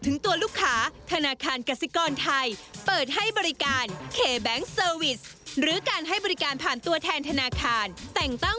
ถูกต้องกับบริการใหม่ของ